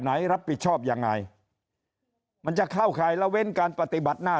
ไหนรับผิดชอบยังไงมันจะเข้าข่ายละเว้นการปฏิบัติหน้า